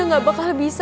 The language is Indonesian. kalo gabun sarenya